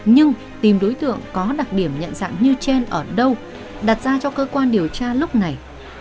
nhưng tìm đối tượng có đặc điểm nhận dạng như trên ở đâu đặt ra cho cơ quan điều tra lúc này